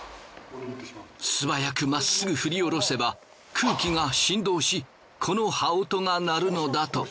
素早く真っ直ぐ振り下ろせば空気が振動しこの刃音が鳴るのだと。